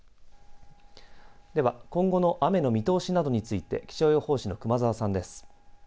では今後の雨の見通しなどについて気象予報士の熊澤さんです。